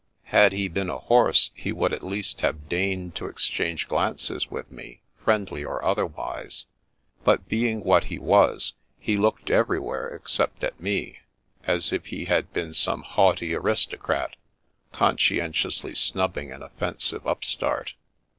Had he been a horse, he would at least have deigned to exchange glances with me, friendly or otherwise; but being what he was, he looked everywhere except at me, as if he had been some haughty aristocrat conscientiously snubbing an offensive upstart.